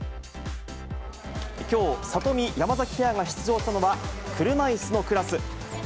きょう、里見・山崎ペアが出場したのは、車いすのクラス。